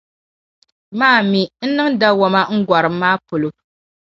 Ma a mi, n niŋ dawɔma n gɔrim maa polo